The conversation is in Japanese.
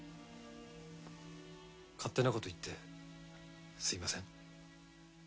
勝手なこと言ってすみません。